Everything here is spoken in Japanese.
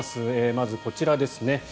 まず、こちらですね。